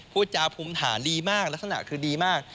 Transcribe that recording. พูดจาภูมิฐานดีมากลักษณะคือดีมาก